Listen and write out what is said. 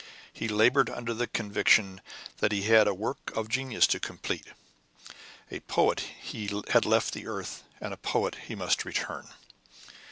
He labored under the conviction that he had a work of genius to complete. A poet he had left the earth, and a poet he must return.